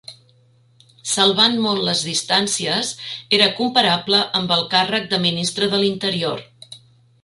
Salvant molt les distàncies, era comparable amb el càrrec de Ministre de l'Interior.